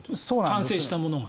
完成したものが。